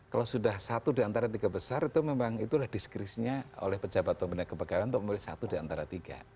kalau sudah satu di antara tiga besar itu memang itulah diskresinya oleh pejabat pembina kepegawaian untuk memilih satu di antara tiga